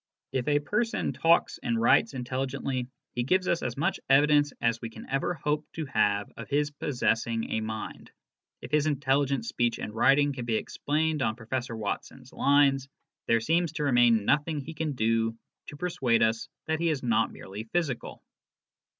If a person talks and writes intelligently, he gives us as much evidence as we can ever hope to have of his possessing a mind. If his intelligent speech and writing can be explained on Professor Watson's lines, there seems to remain nothing he can do to persuade us that he is not merely physical.